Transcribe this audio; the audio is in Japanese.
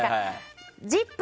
「ＺＩＰ！」